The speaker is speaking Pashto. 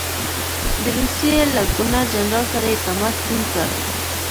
د روسیې له ګورنر جنرال سره یې تماس ټینګ کړ.